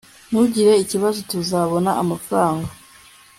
ntugire ikibazo. tuzabona amafaranga